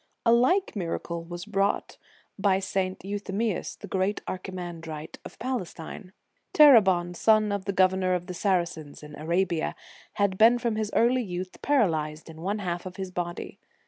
* A like miracle was wrought by St. Euthy mius, the great archimandrite of Palestine. Terebon, son of the governor of the Saracens, in Arabia, had been from his early youth paralyzed in one half of his body.